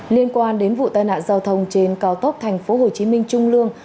liên quan đến vụ tai nạn giao thông trên cao tốc tp hcm trung lương